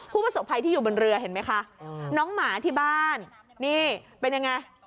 ผู้ประสบภัยที่อยู่บนเรือเห็นไหมคะน้องหมาที่บ้านนี่เป็นยังไง